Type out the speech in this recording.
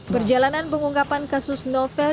berjalanan pengunggapan kasus novel